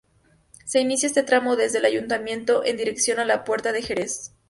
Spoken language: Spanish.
Se inicia este tramo desde el Ayuntamiento en dirección a la Puerta de Jerez.